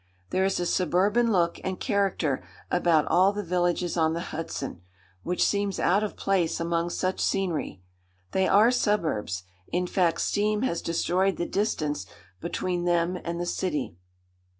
There is a suburban look and character about all the villages on the Hudson which seems out of place among such scenery. They are suburbs; in fact, steam has destroyed the distance between them and the city.